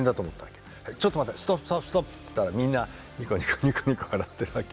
「ちょっと待ってストップストップストップ」って言ったらみんなニコニコニコニコ笑ってるわけよ。